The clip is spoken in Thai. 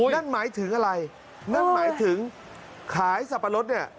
นั่นหมายถึงอะไรนั่นหมายถึงขายสัปดาห์รส